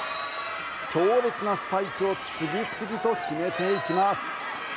強烈なスパイクを次々と決めていきます。